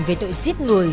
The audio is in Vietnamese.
về tội giết người